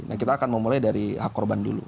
nah kita akan memulai dari hak korban dulu